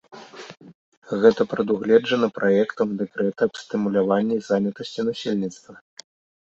Гэта прадугледжана праектам дэкрэта аб стымуляванні занятасці насельніцтва.